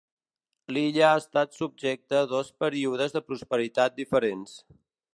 L'illa ha estat subjecta a dos períodes de prosperitat diferents.